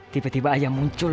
tiba tiba aja muncul